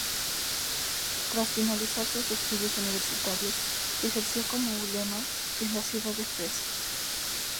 Tras finalizar sus estudios universitarios ejerció como ulema en la ciudad de Fez.